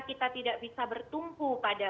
kita tidak bisa bertumpu pada